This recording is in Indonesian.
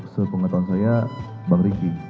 sepengatauan saya bang riki